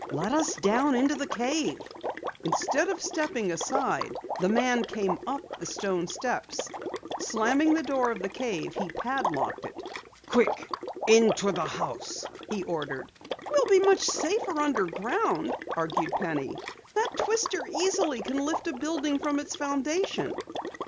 "Let us down into the cave!" Instead of stepping aside, the man came up the stone steps. Slamming the door of the cave, he padlocked it. "Quick! Into the house!" he ordered. "We'll be much safer underground," argued Penny. "That twister easily can lift a building from its foundation."